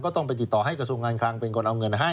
ต้องไปติดต่อให้กระทรวงการคลังเป็นคนเอาเงินให้